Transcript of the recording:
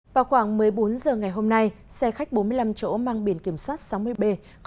vào khoảng một mươi bốn h ngày hôm nay xe khách bốn mươi năm chỗ mang biển kiểm soát sáu mươi b ba nghìn sáu trăm năm mươi hai